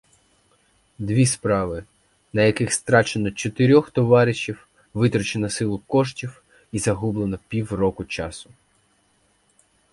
Дві справи, на яких страчено чотирьох товаришів, витрачено силу коштів і загублено півроку часу!